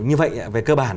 như vậy về cơ bản